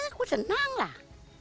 aku senang lah